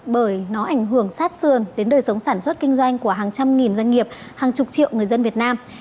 bởi nó ảnh hưởng sát sườn đến đời sống sản xuất kinh doanh của hàng trăm nghìn doanh nghiệp hàng chục triệu người dân việt nam